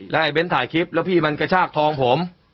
แล้วไอ้เบ้นถ่ายคลิปแล้วพี่มันกระชากทองผม